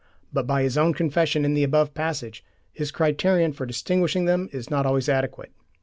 But by his own confession in the above passage, his criterion for distinguishing them is not always adequate.